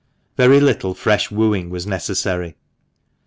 Very little fresh wooing was necessary.